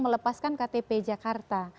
melepaskan ktp jakarta